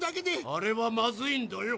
あれはまずいんだよ。